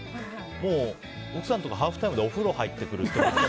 もう奥さんとかハーフタイムでお風呂入ってくるとか。